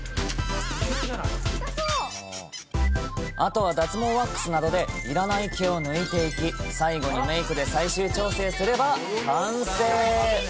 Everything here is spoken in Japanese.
あとは脱毛ワックスなどでいらない毛を抜いていき、最後にメークで最終調整すれば、完成。